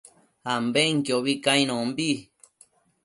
ambenquiobi cainombi